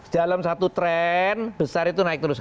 dalam satu tren besar itu naik terus